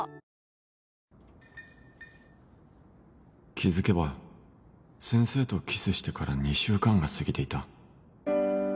気づけば先生とキスしてから２週間が過ぎていた